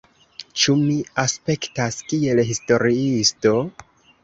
Ĉu mi aspektas kiel historiisto?